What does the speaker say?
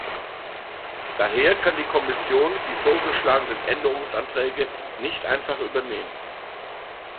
Daher kann die Kommission die vorgeschlagenen Änderungsanträge nicht einfach übernehmen.